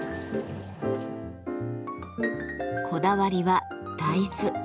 こだわりは「大豆」。